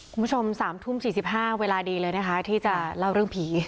คุณผู้ชม๓ทุ่ม๔๕เวลาดีเลยนะคะที่จะเล่าเรื่องผี